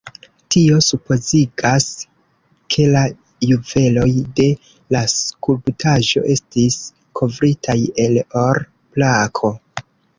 Tio supozigas, ke la juveloj de la skulptaĵo estis kovritaj el or-plako.